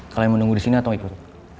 kalian mau nunggu disini atau ikut